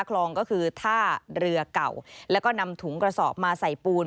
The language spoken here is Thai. คลองก็คือท่าเรือเก่าแล้วก็นำถุงกระสอบมาใส่ปูน